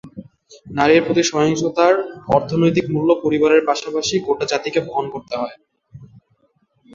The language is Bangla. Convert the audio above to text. নারীর প্রতি সহিংসতার অর্থনৈতিক মূল্য পরিবারের পাশাপাশি গোটা জাতিকে বহন করতে হয়।